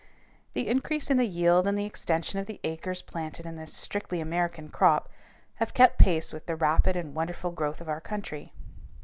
The increase in the yield and the extension of the acres planted in this strictly American crop have kept pace with the rapid and wonderful growth of our country.